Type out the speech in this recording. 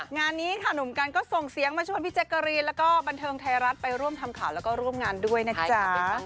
งานนี้ค่ะหนุ่มกันก็ส่งเสียงมาชวนพี่แจ๊กกะรีนแล้วก็บันเทิงไทยรัฐไปร่วมทำข่าวแล้วก็ร่วมงานด้วยนะจ๊ะ